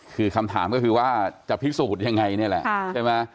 คือคำถามก็คือว่าจะพิสูจน์ยังไงนี่แหละใช่ไหม